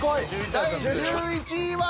第１１位は。